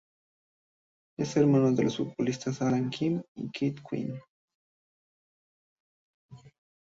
Es hermano de los futbolistas Alan Quinn y Keith Quinn.